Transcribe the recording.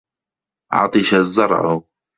عَطِشَ الزَّرْعُ.